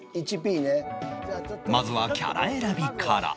まずはキャラ選びから